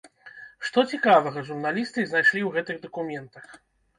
Што цікавага журналісты знайшлі ў гэтых дакументах?